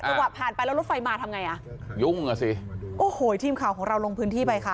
ว่าผ่านไปแล้วรถไฟมาทำไงอ่ะยุ่งอ่ะสิโอ้โหทีมข่าวของเราลงพื้นที่ไปค่ะ